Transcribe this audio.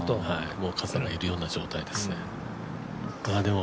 傘のいるような状態ですね。